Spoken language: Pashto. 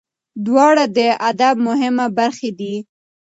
دواړه د ادب مهمې برخې دي.